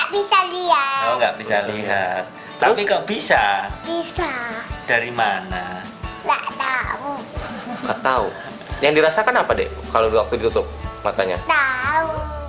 bisa bisa dari mana gak tau gak tau yang dirasakan apa deh kalau waktu ditutup matanya gak tau